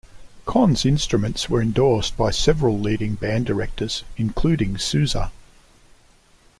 Conn's instruments were endorsed by several leading band directors, including Sousa.